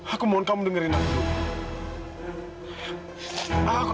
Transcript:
aku mohon kamu dengerin aku